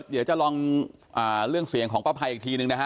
เดี๋ยวจะลองเรื่องเสียงของป้าภัยอีกทีหนึ่งนะฮะ